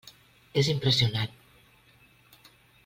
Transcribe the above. És impressionant.